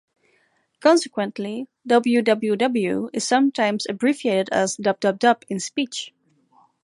Consequently, "www" is sometimes abbreviated as "dubdubdub" in speech.